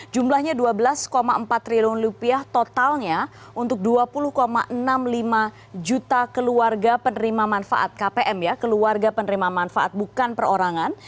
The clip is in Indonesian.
jumlahnya dua belas empat triliun rupiah totalnya untuk dua puluh enam puluh lima juta keluarga penerima manfaat kpm ya keluarga penerima manfaat bukan perorangan